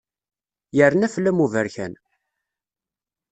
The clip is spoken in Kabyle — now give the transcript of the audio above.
Yerna fell-am uberkan.